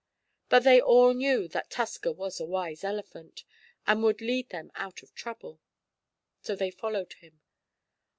But they all knew that Tusker was a wise elephant, and would lead them out of trouble. So they followed him.